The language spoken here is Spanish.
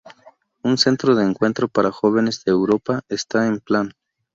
Un centro de encuentro para jóvenes de toda Europa está en plan.